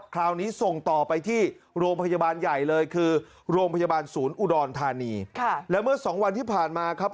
คราวนี้ส่งต่อไปที่โรงพยาบาลใหญ่เลยคือโรงพยาบาลศูนย์อุดรธานีแล้วเมื่อสองวันที่ผ่านมาครับ